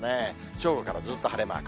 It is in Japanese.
正午からずっと晴れマーク。